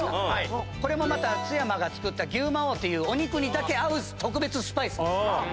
これもまた津山が作った牛魔王っていうお肉にだけ合う特別スパイスです。